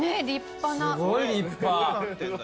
すごい立派。